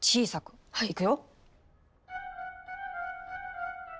いくよ。